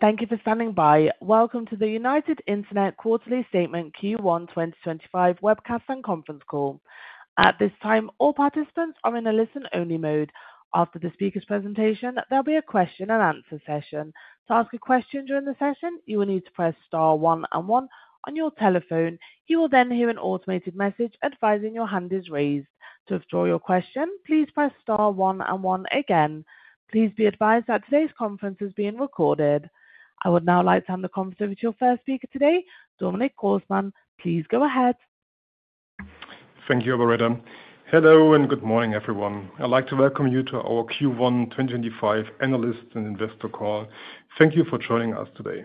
Thank you for standing by. Welcome to the United Internet Quarterly Statement Q1 2025 Webcast and Conference Call. At this time, all participants are in a listen-only mode. After the speaker's presentation, there'll be a question-and-answer session. To ask a question during the session, you will need to press star one and one on your telephone. You will then hear an automated message advising your hand is raised. To withdraw your question, please press star one and one again. Please be advised that today's conference is being recorded. I would now like to hand the conference over to your first speaker today, Dominic Grossmann. Please go ahead. Thank you, Alboreta. Hello and good morning, everyone. I'd like to welcome you to our Q1 2025 analysts and investor call. Thank you for joining us today.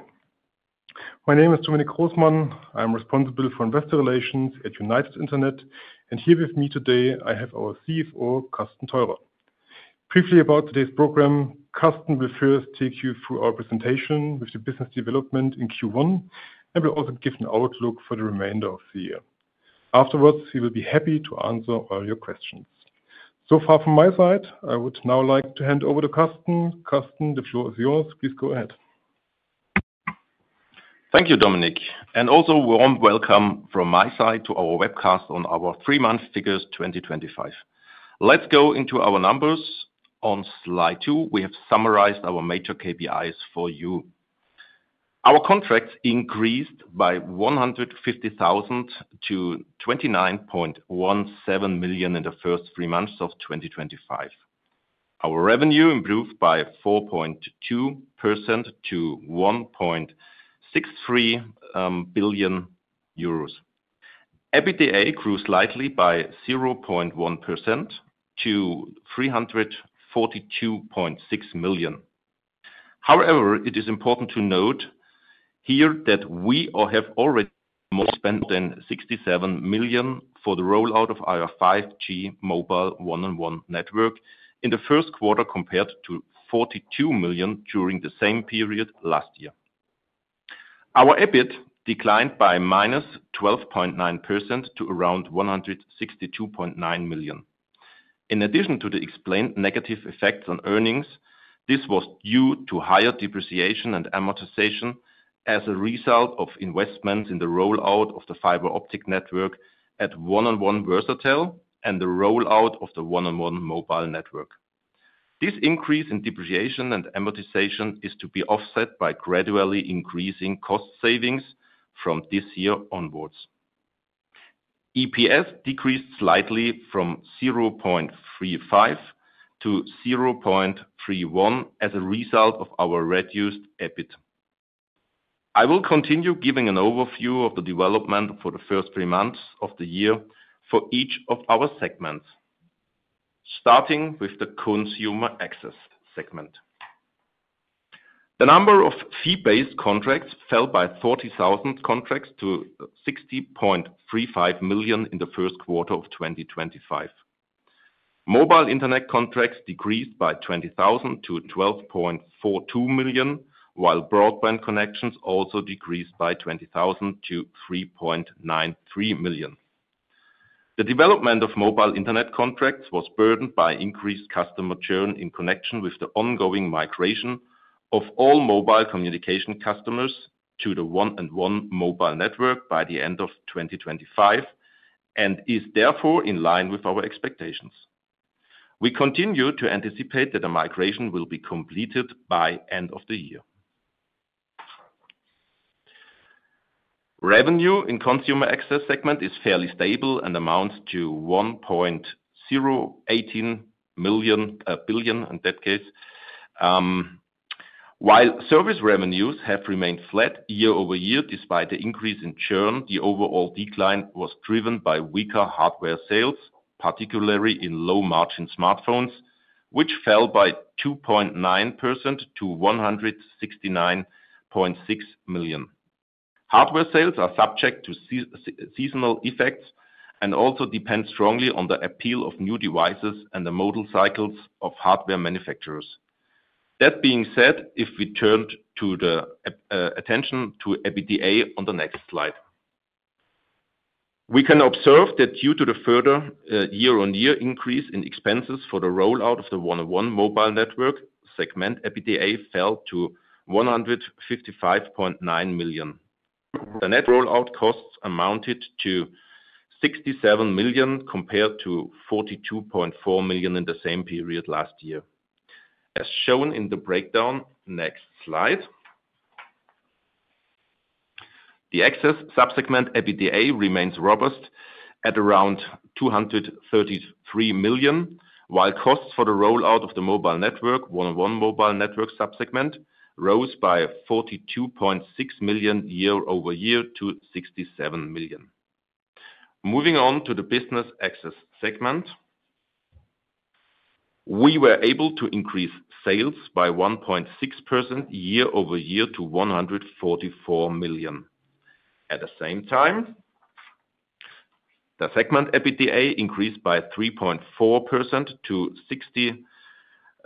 My name is Dominic Grossmann. I'm responsible for investor relations at United Internet, and here with me today, I have our CFO, Carsten Theurer. Briefly about today's program, Carsten will first take you through our presentation with the business development in Q1 and will also give an outlook for the remainder of the year. Afterwards, he will be happy to answer all your questions. So far from my side, I would now like to hand over to Carsten. Carsten, the floor is yours. Please go ahead. Thank you, Dominic. Also a warm welcome from my side to our webcast on our three-month figures 2025. Let's go into our numbers. On slide two, we have summarized our major KPIs for you. Our contracts increased by 150,000 to 29.17 million in the first three months of 2025. Our revenue improved by 4.2% to 1.63 billion euros. EBITDA grew slightly by 0.1% to 342.6 million. However, it is important to note here that we have already spent more than 67 million for the rollout of our 5G mobile 1&1 network in the first quarter compared to 42 million during the same period last year. Our EBIT declined by -12.9% to around 162.9 million. In addition to the explained negative effects on earnings, this was due to higher depreciation and amortization as a result of investments in the rollout of the fiber optic network at 1&1 Versatel and the rollout of the 1&1 mobile network. This increase in depreciation and amortization is to be offset by gradually increasing cost savings from this year onwards. EPS decreased slightly from 0.35 to 0.31 as a result of our reduced EBITDA. I will continue giving an overview of the development for the first three months of the year for each of our segments, starting with the Consumer Access segment. The number of fee-based contracts fell by 40,000 contracts to 60.35 million in the first quarter of 2025. Mobile Internet contracts decreased by 20,000 to 12.42 million, while broadband connections also decreased by 20,000 to 3.93 million. The development of mobile Internet contracts was burdened by increased customer churn in connection with the ongoing migration of all mobile communication customers to the 1&1 mobile network by the end of 2025 and is therefore in line with our expectations. We continue to anticipate that the migration will be completed by the end of the year. Revenue in the consumer access segment is fairly stable and amounts to 1.018 billion in that case. While service revenues have remained flat year over year, despite the increase in churn, the overall decline was driven by weaker hardware sales, particularly in low-margin smartphones, which fell by 2.9% to 169.6 million. Hardware sales are subject to seasonal effects and also depend strongly on the appeal of new devices and the model cycles of hardware manufacturers. That being said, if we turn to the attention to EBITDA on the next slide, we can observe that due to the further year-on-year increase in expenses for the rollout of the 1&1 mobile network segment, EBITDA fell to 155.9 million. The net rollout costs amounted to 67 million compared to 42.4 million in the same period last year. As shown in the breakdown, next slide. The access subsegment EBITDA remains robust at around 233 million, while costs for the rollout of the mobile network, 1&1 mobile network subsegment, rose by 42.6 million year-over-year to 67 million. Moving on to the business access segment, we were able to increase sales by 1.6% year-over-year to 144 million. At the same time, the segment EBITDA increased by 3.4% to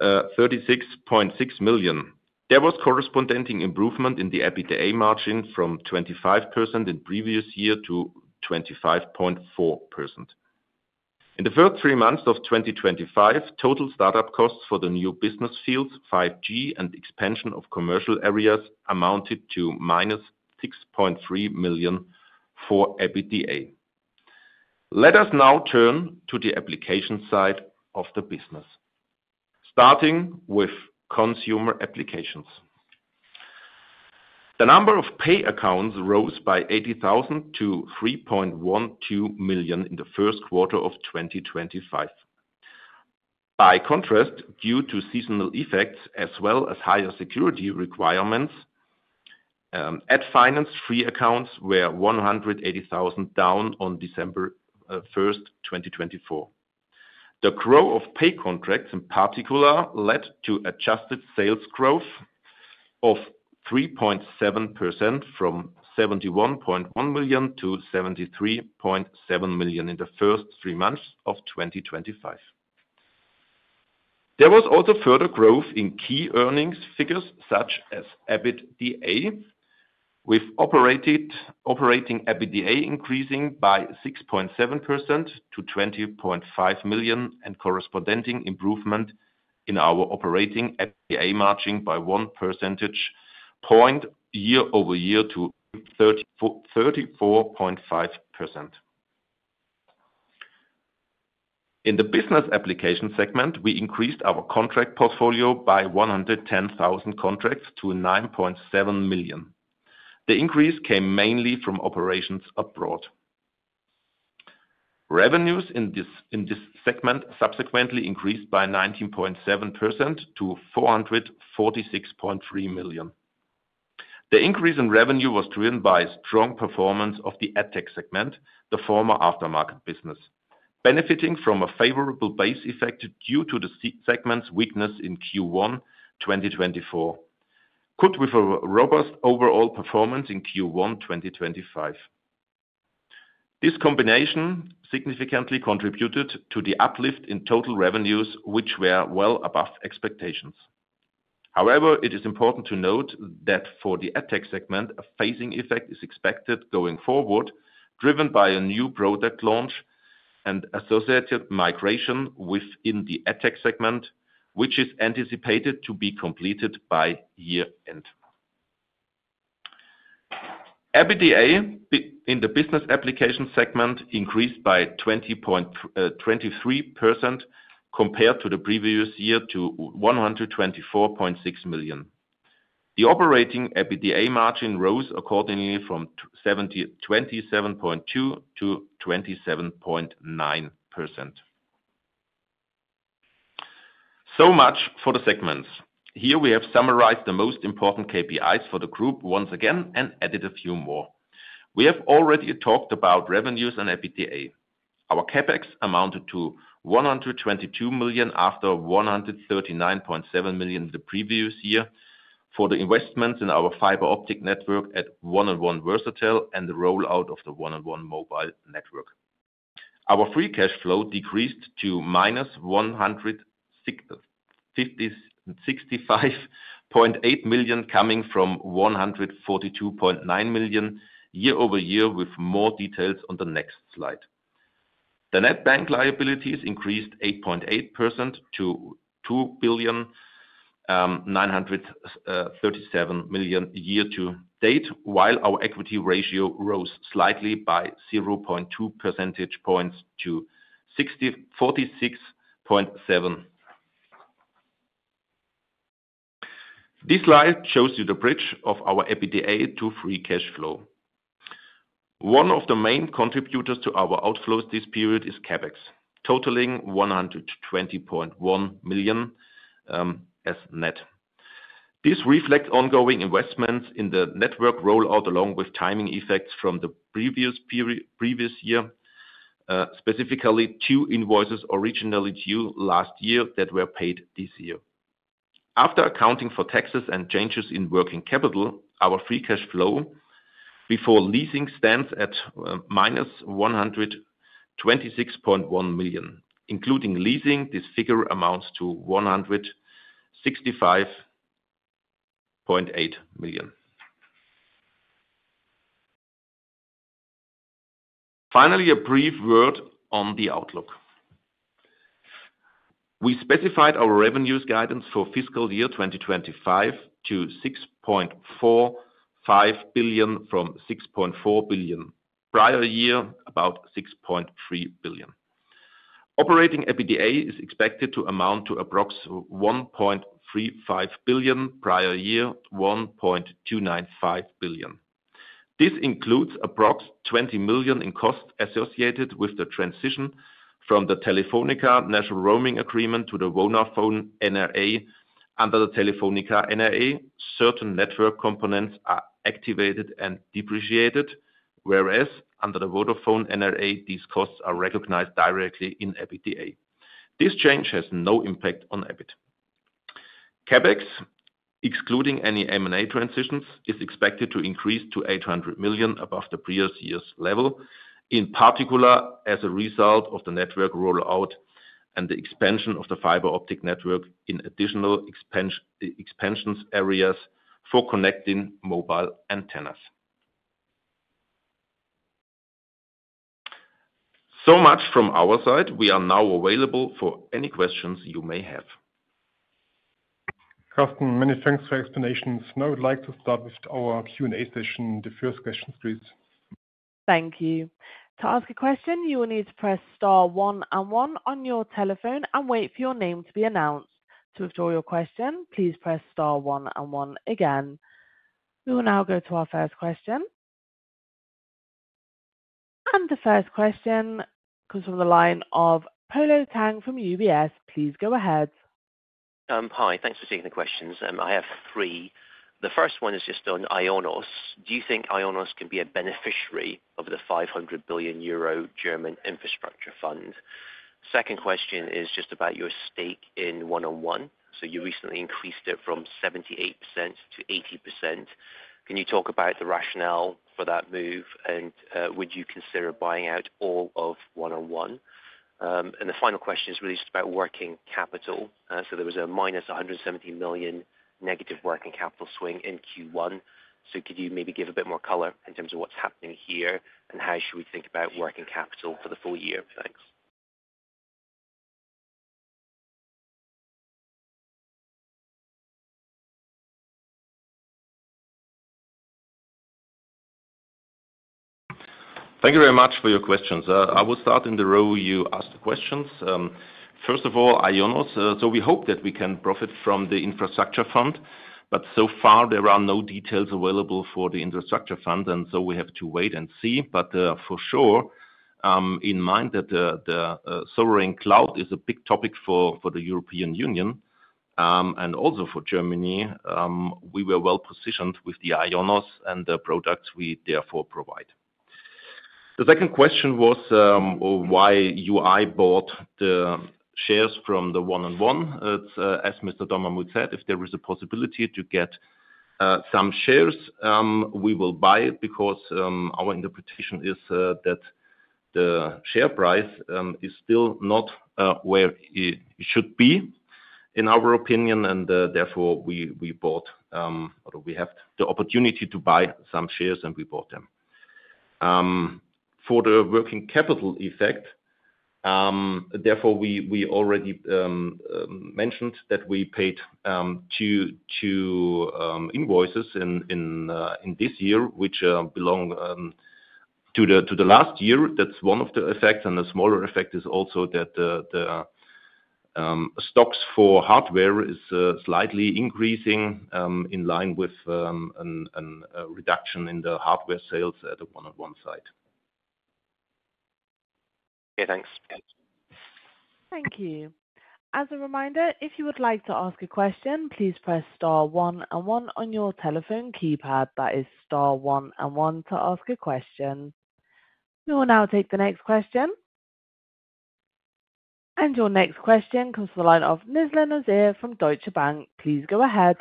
36.6 million. There was corresponding improvement in the EBITDA margin from 25% in the previous year to 25.4%. In the first three months of 2025, total startup costs for the new business fields, 5G and expansion of commercial areas, amounted to -6.3 million for EBITDA. Let us now turn to the application side of the business, starting with consumer applications. The number of pay accounts rose by 80,000 to 3.12 million in the first quarter of 2025. By contrast, due to seasonal effects as well as higher security requirements, ad-financed free accounts were 180,000 down on December 1, 2024. The growth of pay contracts, in particular, led to adjusted sales growth of 3.7% from 71.1 million to 73.7 million in the first three months of 2025. There was also further growth in key earnings figures such as EBITDA, with operating EBITDA increasing by 6.7% to 20.5 million and corresponding improvement in our operating EBITDA margin by one percentage point year-over-year to 34.5%. In the business application segment, we increased our contract portfolio by 110,000 contracts to 9.7 million. The increase came mainly from operations abroad. Revenues in this segment subsequently increased by 19.7% to 446.3 million. The increase in revenue was driven by strong performance of the ad-tech segment, the former aftermarket business, benefiting from a favorable base effect due to the segment's weakness in Q1 2024, coupled with a robust overall performance in Q1 2025. This combination significantly contributed to the uplift in total revenues, which were well above expectations. However, it is important to note that for the ad-tech segment, a phasing effect is expected going forward, driven by a new product launch and associated migration within the ad-tech segment, which is anticipated to be completed by year-end. EBITDA in the business application segment increased by 23% compared to the previous year to 124.6 million. The operating EBITDA margin rose accordingly from 27.2% to 27.9%. So much for the segments. Here we have summarized the most important KPIs for the group once again and added a few more. We have already talked about revenues and EBITDA. Our CapEx amounted to 122 million after 139.7 million in the previous year for the investments in our fiber optic network at 1&1 Versatel and the rollout of the 1&1 mobile network. Our free cash flow decreased to minus 165.8 million coming from 142.9 million year-over-year, with more details on the next slide. The net bank liabilities increased 8.8% to 2,937 million year-to-date, while our equity ratio rose slightly by 0.2 percentage points to 46.7%. This slide shows you the bridge of our EBITDA to free cash flow. One of the main contributors to our outflows this period is CapEx, totaling 120.1 million as net. This reflects ongoing investments in the network rollout along with timing effects from the previous year, specifically two invoices originally due last year that were paid this year. After accounting for taxes and changes in working capital, our free cash flow before leasing stands at -126.1 million. Including leasing, this figure amounts to 165.8 million. Finally, a brief word on the outlook. We specified our revenues guidance for fiscal year 2025 to 6.45 billion from 6.4 billion prior year, about 6.3 billion. Operating EBITDA is expected to amount to approximately 1.35 billion prior year, 1.295 billion. This includes approximately 20 million in costs associated with the transition from the Telefónica National Roaming Agreement to the Vodafone NRA. Under the Telefónica NRA, certain network components are activated and depreciated, whereas under the Vodafone NRA, these costs are recognized directly in EBITDA. This change has no impact on EBIT. CapEx, excluding any M&A transitions, is expected to increase to 800 million above the previous year's level, in particular as a result of the network rollout and the expansion of the fiber optic network in additional expansion areas for connecting mobile antennas. So much from our side. We are now available for any questions you may have. Carsten, many thanks for the explanations. Now I'd like to start with our Q&A session. The first question, please. Thank you. To ask a question, you will need to press star one and one on your telephone and wait for your name to be announced. To withdraw your question, please press star one and one again. We will now go to our first question. The first question comes from the line of Polo Tang from UBS. Please go ahead. Hi, thanks for taking the questions. I have three. The first one is just on IONOS. Do you think IONOS can be a beneficiary of the 500 billion euro German infrastructure fund? Second question is just about your stake in 1&1. You recently increased it from 78% to 80%. Can you talk about the rationale for that move, and would you consider buying out all of 1&1? The final question is really just about working capital. There was a minus 170 million negative working capital swing in Q1. Could you maybe give a bit more color in terms of what is happening here, and how should we think about working capital for the full year? Thanks. Thank you very much for your questions. I will start in the row you asked questions. First of all, IONOS. We hope that we can profit from the infrastructure fund, but so far there are no details available for the infrastructure fund, and we have to wait and see. For sure, in mind that the sovereign cloud is a big topic for the European Union and also for Germany, we were well positioned with IONOS and the products we therefore provide. The second question was why you bought the shares from the 1&1. As Mr. Dommermuth said, if there is a possibility to get some shares, we will buy it because our interpretation is that the share price is still not where it should be, in our opinion, and therefore we bought, or we have the opportunity to buy some shares, and we bought them. For the working capital effect, therefore we already mentioned that we paid two invoices in this year, which belong to the last year. That's one of the effects, and a smaller effect is also that the stocks for hardware is slightly increasing in line with a reduction in the hardware sales at the 1&1 side. Okay, thanks. Thank you. As a reminder, if you would like to ask a question, please press star one and one on your telephone keypad. That is star one and one to ask a question. We will now take the next question. Your next question comes from the line of Nizla Naizer from Deutsche Bank. Please go ahead.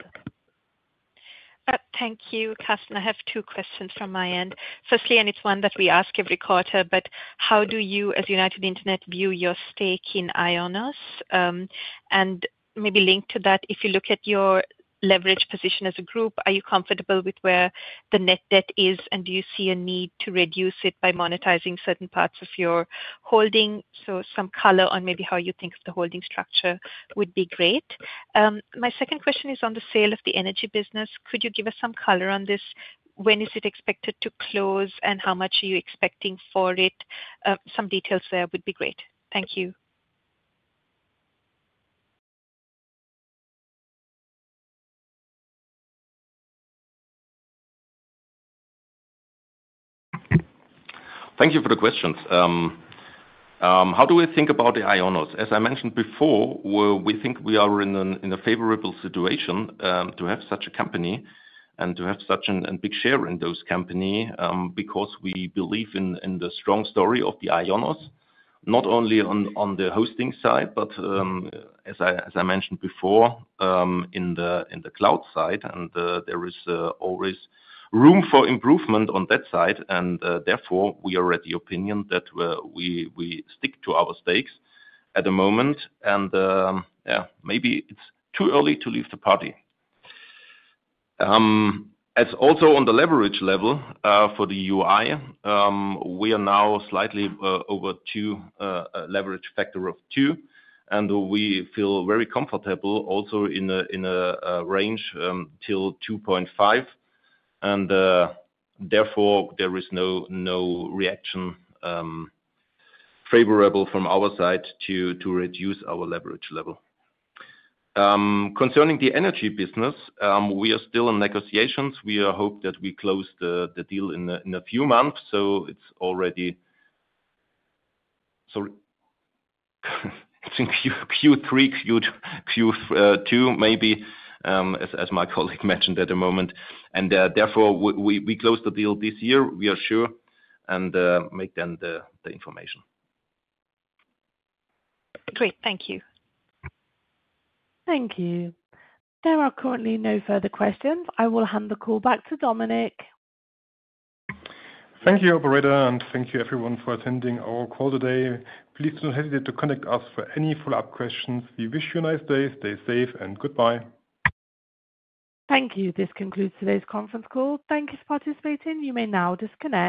Thank you, Carsten. I have two questions from my end. Firstly, and it's one that we ask every quarter, but how do you, as United Internet, view your stake in IONOS? And maybe link to that, if you look at your leverage position as a group, are you comfortable with where the net debt is, and do you see a need to reduce it by monetizing certain parts of your holding? Some color on maybe how you think of the holding structure would be great. My second question is on the sale of the energy business. Could you give us some color on this? When is it expected to close, and how much are you expecting for it? Some details there would be great. Thank you. Thank you for the questions. How do we think about the IONOS? As I mentioned before, we think we are in a favorable situation to have such a company and to have such a big share in those companies because we believe in the strong story of the IONOS, not only on the hosting side, but as I mentioned before, in the cloud side, and there is always room for improvement on that side. Therefore, we are at the opinion that we stick to our stakes at the moment, and maybe it is too early to leave the party. It is also on the leverage level for the UI. We are now slightly over two, a leverage factor of two, and we feel very comfortable also in a range till 2.5, and therefore there is no reaction favorable from our side to reduce our leverage level. Concerning the energy business, we are still in negotiations. We hope that we close the deal in a few months. It's already, sorry, Q3, Q2 maybe, as my colleague mentioned at the moment. Therefore, we close the deal this year, we are sure, and make then the information. Great. Thank you. Thank you. There are currently no further questions. I will hand the call back to Dominic. Thank you, Operator, and thank you everyone for attending our call today. Please do not hesitate to contact us for any follow-up questions. We wish you a nice day. Stay safe and goodbye. Thank you. This concludes today's conference call. Thank you for participating. You may now disconnect.